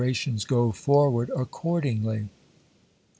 ^' tions go forward accordingly."